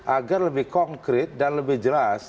agar lebih konkret dan lebih jelas